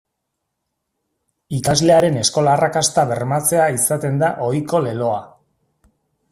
Ikaslearen eskola-arrakasta bermatzea izaten da ohiko leloa.